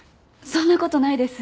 そんなことないです。